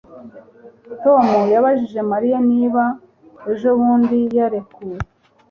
Tom yabajije Mariya niba ejobundi yarekuwe